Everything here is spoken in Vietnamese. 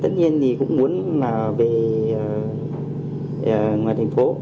tất nhiên thì cũng muốn là về ngoài thành phố